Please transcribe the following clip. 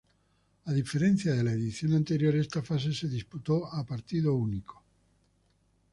A diferencia de la edición anterior, esta fase se disputó a partido único.